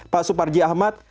pak suparji ahmad